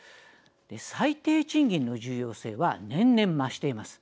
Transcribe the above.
最低賃金の重要性は年々、増しています。